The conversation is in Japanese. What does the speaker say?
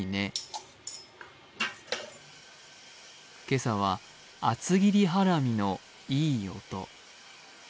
今朝は厚切りハラミのいい音。